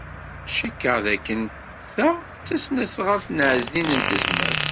Cikkeɣ dakken ta d tasnasɣalt n Ɛezdin n Tezmalt.